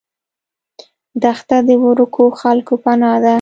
دښته د ورکو خلکو پناه ده.